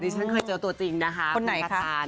มีรูปไปแล้ววันหนึ่งมันไม่ได้เป็นอย่างที่คิด